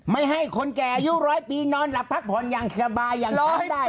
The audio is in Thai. ไม่ให้คนแก่อายุร้อยปีนอนหลับพักผ่อนอย่างสบายอย่างเช้าได้